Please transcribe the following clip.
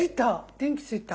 電気ついた。